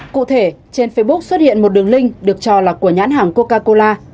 cụ thể trên facebook xuất hiện một đường link được cho là của nhãn hàng coca cola